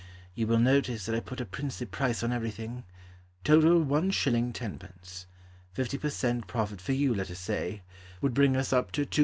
(You will notice that I put a princely price on everything), Total, 1s. 10d. Fifty per cent. profit for you, let us say, Would bring us up to 2s.